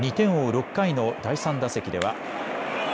６回の第３打席では。